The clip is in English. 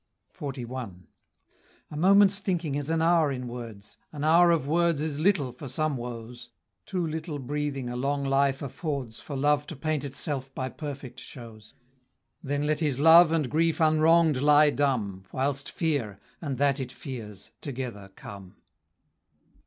XLI. A moment's thinking is an hour in words, An hour of words is little for some woes; Too little breathing a long life affords For love to paint itself by perfect shows; Then let his love and grief unwrong'd lie dumb, Whilst Fear, and that it fears, together come.